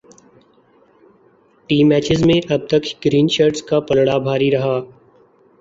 T matches میں اب تک گرین شرٹس کا پلڑا بھاری رہا